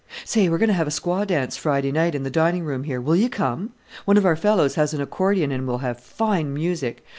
Say! we're going to have a squaw dance Friday night in the dining room here, will you come? One of our fellows has an accordion, and we'll have fine music.